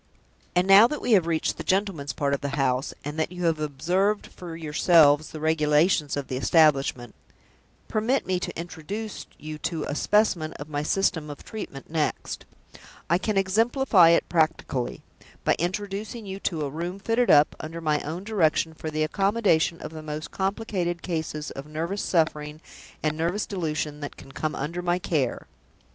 And now that we have reached the gentleman's part of the house, and that you have observed for yourselves the regulations of the establishment, permit me to introduce you to a specimen of my system of treatment next. I can exemplify it practically, by introducing you to a room fitted up, under my own direction, for the accommodation of the most complicated cases of nervous suffering and nervous delusion that can come under my care."